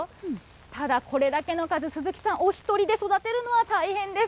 ただ、これだけの数、鈴木さんお１人で育てるのは大変です。